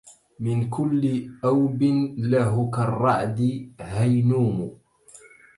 من كل أوبٍ له كالرعد هينومُ